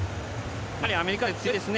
やはりアメリカ勢は強いですよね。